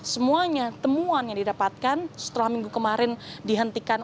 semuanya temuan yang didapatkan setelah minggu kemarin dihentikan